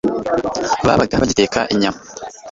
babaga bagiteka inyama